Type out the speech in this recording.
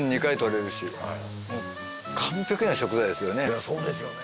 いやそうですよね。